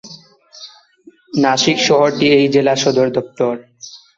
নাশিক শহরটি এই জেলা সদর দপ্তর।